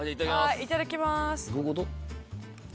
いただきます。